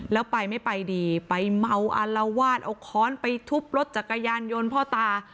แล้วไปไม่ไปดีไปเมาอารวาสเอาค้อนไปทุบรถจักรยานยนต์พ่อตา